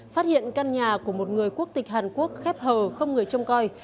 phát hiện căn nhà của một người quốc tịch hàn quốc khép hờ không người trông coi